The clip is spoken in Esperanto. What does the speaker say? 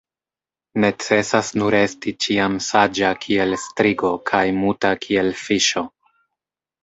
Necesas nur esti ĉiam saĝa kiel strigo kaj muta kiel fiŝo.